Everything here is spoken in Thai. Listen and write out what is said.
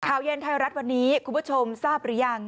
ข่าวเย็นไทยรัฐวันนี้คุณผู้ชมทราบหรือยัง